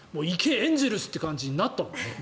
エンゼルスという感じになったもんね。